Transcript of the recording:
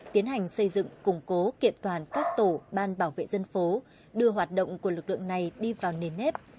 tiến hành xây dựng củng cố kiện toàn các tổ ban bảo vệ dân phố đưa hoạt động của lực lượng này đi vào nền nếp